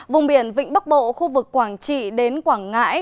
vùng biển vịnh bắc bộ khu vực quảng trị đến quảng ngãi